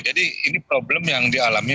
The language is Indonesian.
jadi ini problem yang dialami